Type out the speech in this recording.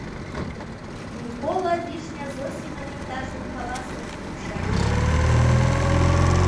Микола Вишня Зосимын иктаж-мом каласымыжым вуча.